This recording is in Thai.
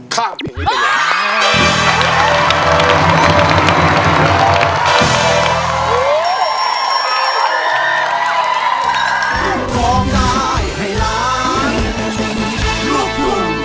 คับ